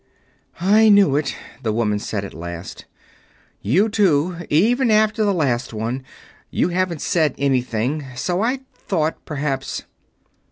"I knew it," the woman said at length. "You, too even after the last one.... You haven't said anything, so I thought, perhaps...."